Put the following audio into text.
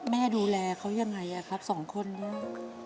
แม่ดูแลเขายังไงครับ๒คนเนี่ย